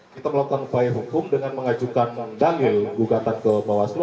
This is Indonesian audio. kita melakukan upaya hukum dengan mengajukan dalil gugatan ke bawaslu